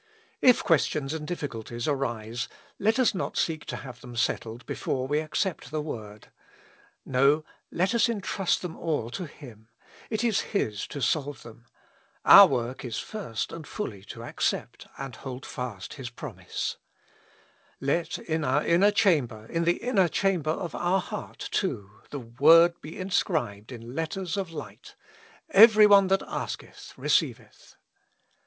If questions and difficulties arise, let us not seek to have them settled before we accept the Word. No ; let us entrust them all to Him ; it is His to solve them ; our work is first and fully to accept and hold fast His promise. 42 With Christ in the School of Prayer. Let in our inner chamber, in the inner chamber of our heart too, the Word be inscribed in letters of light : Every one that asketh, receiveth.